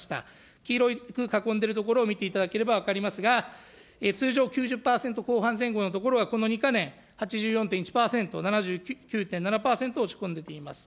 黄色く囲んでいる所を見ていただければ分かりますが、通常９０％後半前後のところが、この２か年、８４．１％、７９．７％落ち込んでいます。